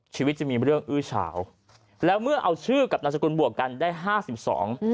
ชีวิตจะมีเรื่องอื้อเฉาแล้วเมื่อเอาชื่อกับนามสกุลบวกกันได้ห้าสิบสอง